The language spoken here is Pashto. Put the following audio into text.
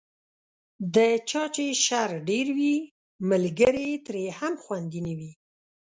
د چا چې شر ډېر وي، ملګری یې ترې هم خوندي نه وي.